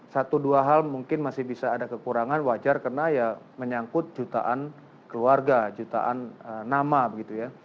satu dua hal mungkin masih bisa ada kekurangan wajar karena ya menyangkut jutaan keluarga jutaan nama begitu ya